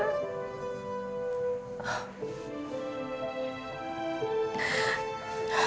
sehingga karena dia sudah menganggap sebagai saudara